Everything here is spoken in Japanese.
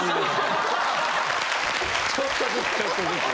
ちょっとずつちょっとずつ。